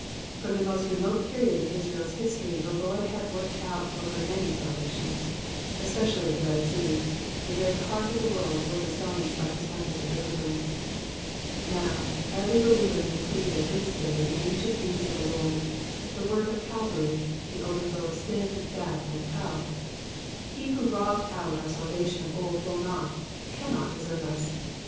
^^ From the most remote period of Israel's history the Lord had worked out for her many salvations ; especially at the Red Sea. the very heart of the world was astonished by his wonders of deliverance. Now, every believer may plead at this day the ancient deeds of the Lord, the work of Calvary, the over throw of sin, death, and hell. He who wrought out our salvation of old will not, cannot desert us now.